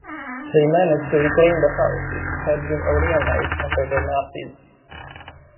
They managed to reclaim the house, which had been "aryanised" under the Nazis.